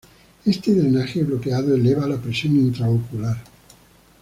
Este drenaje bloqueado eleva la presión intraocular.